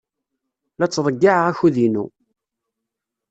La ttḍeyyiɛeɣ akud-inu.